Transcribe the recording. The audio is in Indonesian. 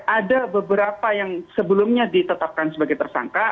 ada beberapa yang sebelumnya ditetapkan sebagai tersangka